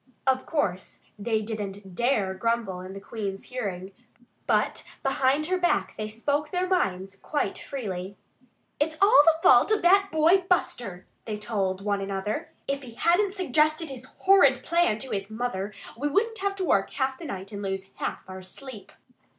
Of course they didn't dare grumble in the Queen's hearing. But behind her back they spoke their minds quite freely. "It's all the fault of that boy Buster," they told one another. "If he hadn't suggested his horrid plan to his mother we wouldn't have to work half the night and lose half our sleep."